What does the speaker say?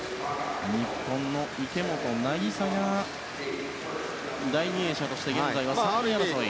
日本の池本凪沙が第２泳者として現在は３位争い。